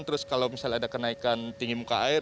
terus kalau misalnya ada kenaikan tinggi muka air